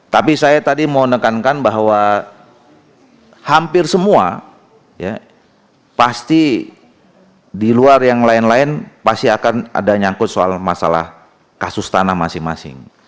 tapi saya tadi mau nekankan bahwa hampir semua pasti di luar yang lain lain pasti akan ada nyangkut soal masalah kasus tanah masing masing